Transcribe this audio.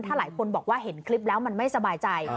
ถ้าหลายคนบอกว่าเห็นคลิปแล้วมันไม่สบายใจ